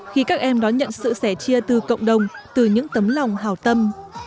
khi các em đón nhận sự sẻ chia từ cộng đồng từ những tấm lòng hào tâm